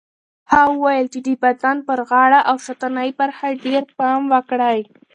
هغه وویل د بدن پر غاړه او شاتنۍ برخه ډېر پام وکړئ.